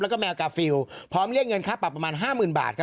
แล้วก็แมวกาฟิลพร้อมเรียกเงินค่าปรับประมาณห้าหมื่นบาทครับ